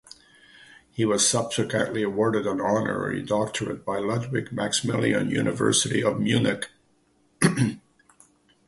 He was subsequently awarded an honorary doctorate by Ludwig Maximilian University of Munich.